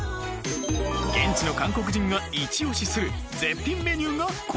現地の韓国人がイチオシする絶品メニューがこちら！